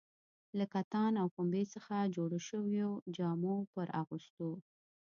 له کتان او پنبې څخه جوړو شویو جامو پر اغوستو.